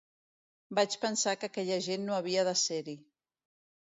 Vaig pensar que aquella gent no havia de ser-hi.